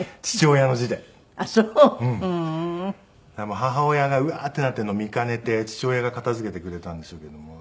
母親が「うわー！」ってなっているのを見かねて父親が片付けてくれたんでしょうけども。